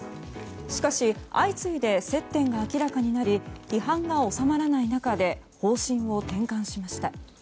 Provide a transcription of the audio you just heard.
しかし、相次いで接点が明らかになり批判が収まらない中で方針を転換しました。